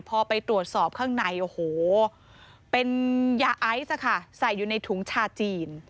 พอไปตรวจสอบข้างในโอ้โหเป็นยาไอซ์ใส่อยู่ในถุงชาจีน